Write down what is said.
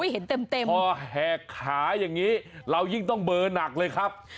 เห็นเต็มพอแหกขาอย่างนี้เรายิ่งต้องเบอร์หนักเลยครับ